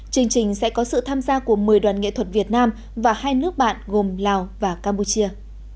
chương trình sẽ có sự tham gia của một mươi đoàn nghệ thuật việt nam và hai nước bạn gồm lào và campuchia